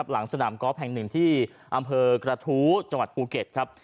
หลังสนามก๊อฟแห่งหนึ่งที่อำเภอกระทูจปูเก็ตครับ